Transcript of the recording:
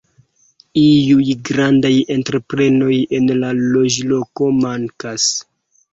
Iuj grandaj entreprenoj en la loĝloko mankas.